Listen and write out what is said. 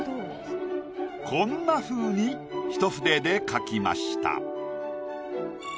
こんなふうに一筆で描きました。